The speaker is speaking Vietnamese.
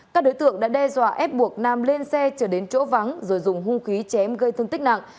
các đối tượng đã đe dọa ép buộc nam lên xe chở đến chỗ vắng rồi dùng hung khí chém gây thương tích nặng